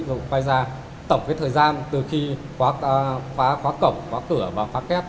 rồi quay ra tổng cái thời gian từ khi phá khóa cổng phá cửa và phá kép